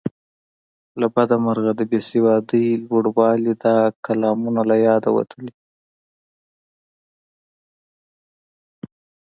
له بده مرغه د بې سوادۍ لوړوالي دا کلامونه له یاده وتلي.